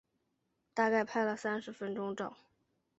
大概拍了三十分钟照